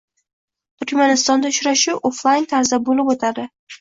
Turkmanistonda uchrashuv oflayn tarzda boʻlib oʻtadi.